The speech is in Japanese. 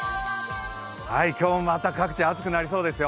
今日もまた各地、暑くなりそうですよ。